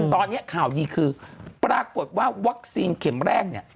ตอนนี้ข่าวดีคือปรากฏว่าวัคซีนเข็มแรกเนี่ย